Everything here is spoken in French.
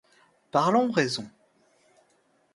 Parlons raison.